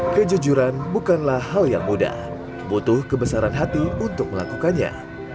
kejujuran bukanlah hal yang mudah butuh kebesaran hati untuk melakukannya